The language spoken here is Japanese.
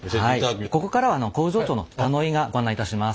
ここからは工場長の田野井がご案内いたします。